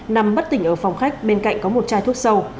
nằm bất tỉnh ở phòng khách bên cạnh có một chai thuốc sâu